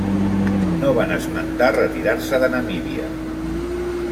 No van esmentar retirar-se de Namíbia.